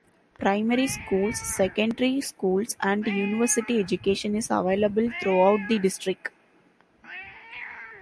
Primary schools, Secondary schools and University education is available throughout the district.